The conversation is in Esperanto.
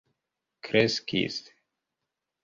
kreskis